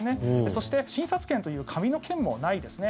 そして、診察券という紙の券もないですね。